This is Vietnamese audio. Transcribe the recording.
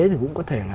thì cũng có thể là